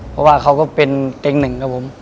เพราะว่าเขาก็เป็นเต็งหนึ่งครับผม